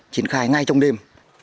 chiến khai ngay trong đêm